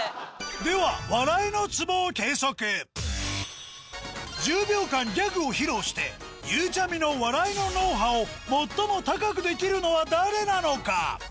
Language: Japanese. ではを披露してゆうちゃみの笑いの脳波を最も高くできるのは誰なのか？